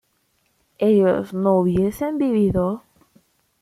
¿ellos no hubiesen vivido?